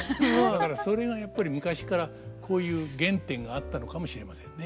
だからそれがやっぱり昔っからこういう原点があったのかもしれませんね